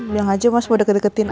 biar aja mas mau deket deketin aku